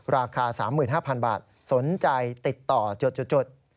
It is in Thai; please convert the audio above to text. ราคา๓๕๐๐๐บาทสนใจติดต่อจด